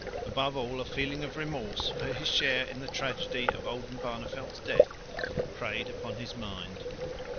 Above all a feeling of remorse for his share in the tragedy of Oldenbarneveldt's death preyed upon his mind.